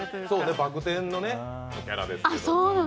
「バク天」のキャラですけど。